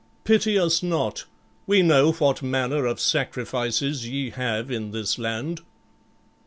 Pity us not; we know what manner of sacrifices ye have in this land."